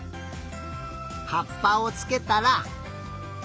はっぱをつけたら。